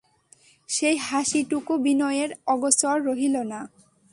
সেই হাসিটুকু বিনয়ের অগোচর রহিল না।